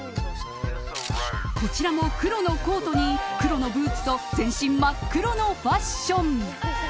こちらも黒のコートに黒のブーツと全身真っ黒のファッション。